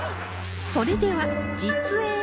それでは実演